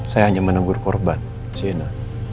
saya hanya menegur korban siena